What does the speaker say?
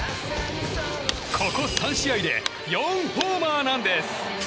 ここ３試合で４ホーマーなんです。